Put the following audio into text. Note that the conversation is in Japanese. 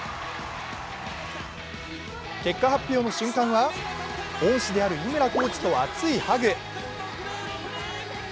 結果発表の瞬間は恩師である井村コーチと熱いハグ。